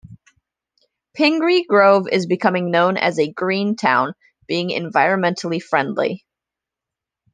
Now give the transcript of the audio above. Pingree Grove is becoming known as a "Green Town", being environmentally friendly.